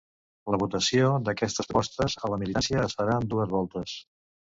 La votació d’aquestes propostes a la militància es farà en dues voltes.